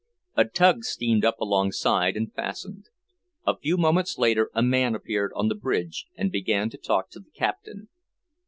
A tug steamed up alongside and fastened. A few moments later a man appeared on the bridge and began to talk to the captain.